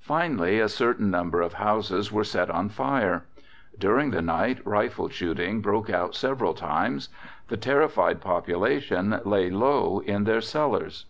Finally, a certain number of houses were set on fire. During the night rifle shooting broke out several times. The terrified population lay low in their cellars.